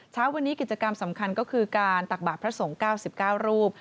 เช้าวันนี้กิจกรรมสำคัญก็คือการตักบาทพระสงฆ์๙๙รูป